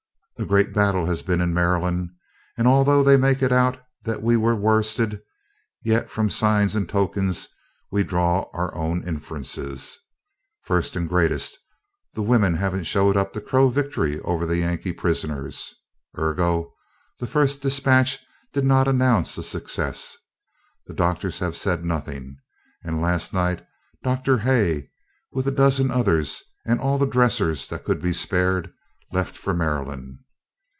A great battle has been in Maryland, and, although they make it out that we were worsted, yet from signs and tokens we draw our own inferences. First and greatest, the women haven't been up to crow victory over the Yankee prisoners, ergo the first despatch did not announce a success; the doctors have said nothing, and last night Dr. Hay, with a dozen others and all the dressers that could be spared, left for Maryland.